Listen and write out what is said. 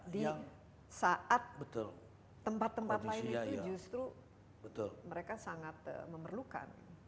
di saat tempat tempat lain itu justru mereka sangat memerlukan